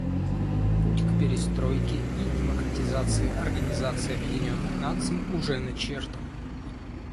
Путь к перестройке и демократизации Организации Объединенных Наций уже начертан.